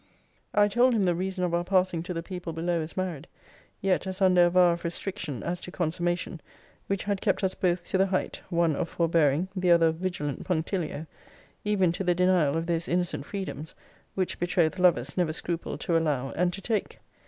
'I told him the reason of our passing to the people below as married yet as under a vow of restriction, as to consummation, which had kept us both to the height, one of forbearing, the other of vigilant punctilio; even to the denial of those innocent freedoms, which betrothed lovers never scruple to allow and to take.